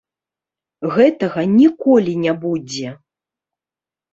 Гэтага ніколі не будзе.